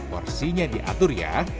porsinya diatur ya